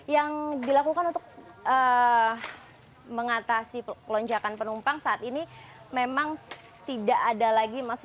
yang dilakukan untuk mengatasi lonjakan penumpang saat ini memang tidak ada lagi